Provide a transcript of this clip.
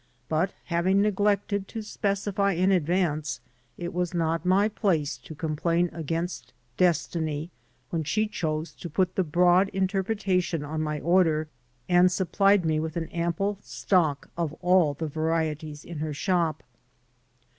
But, having neglected to specify in advance, it was not my place to complain against Destiny when she chose to put the broad interpretation on my order and supplied me with an ample stock of all the varieties in her shop.